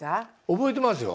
覚えてますよ。